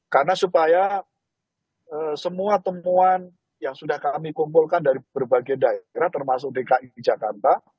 karena supaya semua temuan yang sudah kami kumpulkan dari berbagai daerah termasuk dki jakarta